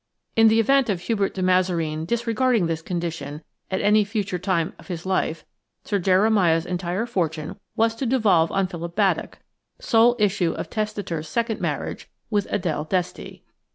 In the event of Hubert de Mazareen disregarding this condition at any future time of his life, Sir Jeremiah's entire fortune was to devolve on Philip Baddock, sole issue of testator's second marriage, with Adèle Desty.